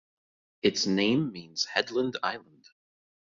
Its name means 'headland island'.